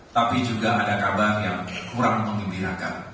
tapi juga ada kabar yang kurang mengembirakan